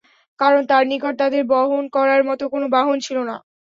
কারণ তাঁর নিকট তাদের বহন করার মত কোন বাহন ছিল না।